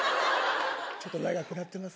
ちょっと長くなってます。